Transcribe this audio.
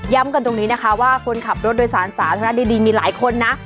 กันตรงนี้นะคะว่าคนขับรถโดยสารสาธารณะดีมีหลายคนนะ